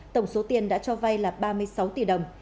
tổng số tiền đã cho vay là ba mươi sáu tỷ đồng